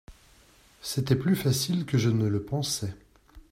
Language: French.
C’était plus facile que je ne le pensais.